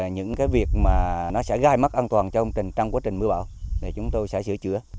những việc gai mắt an toàn trong quá trình mưa bão để chúng tôi sẽ sửa chữa